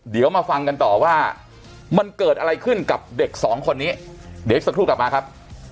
เดี๋ยวมาฟังกันต่อว่ามันเกิดอะไรขึ้นกับเด็กสองคนนี้เดี๋ยวอีกสักครู่กลับมาครับ